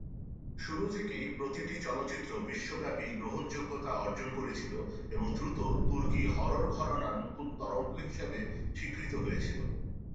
শুরু থেকেই, প্রতিটি চলচ্চিত্র বিশ্বব্যাপী গ্রহণযোগ্যতা অর্জন করেছিল এবং দ্রুত তুর্কি হরর ঘরানার নতুন তরঙ্গ হিসাবে স্বীকৃত হয়েছিল।